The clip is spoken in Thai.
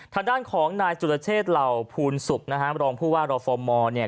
ทางด้านของนายจุฬเชษเหล่าพูลสุบนะฮะรองผู้ว่ารอฟอร์มมอล์เนี่ย